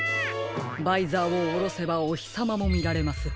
バイザーをおろせばおひさまもみられます。